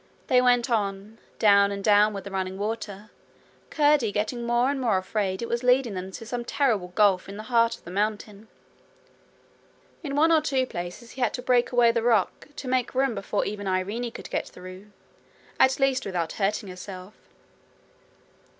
They went on, down and down with the running water, Curdie getting more and more afraid it was leading them to some terrible gulf in the heart of the mountain. In one or two places he had to break away the rock to make room before even Irene could get through at least without hurting herself.